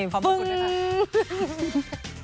ขอบคุณด้วยค่ะ